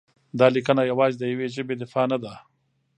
دا لیکنه یوازې د یوې ژبې دفاع نه ده؛